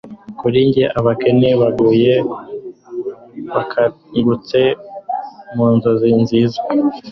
kuri njye, abakene baguye, bakangutse mu nzozi nziza